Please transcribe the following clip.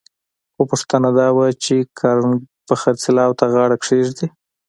خو پوښتنه دا وه چې کارنګي به خرڅلاو ته غاړه کېږدي؟